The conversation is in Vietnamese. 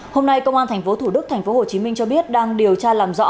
hôm nay công an thành phố thủ đức thành phố hồ chí minh cho biết đang điều tra làm rõ